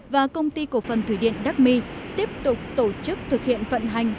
và công ty cổ phần thủy điện đắc my tiếp tục tổ chức thực hiện vận hành